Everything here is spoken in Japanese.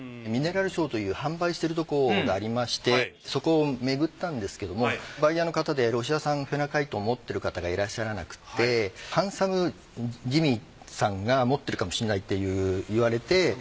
ミネラルショーという販売しているところがありましてそこをめぐったんですけどもバイヤーの方でロシア産フェナカイトを持っている方がいらっしゃらなくてハンサムジミーさんが持ってるかもしれないと言われて。